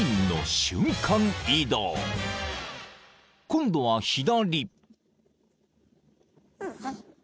［今度は左］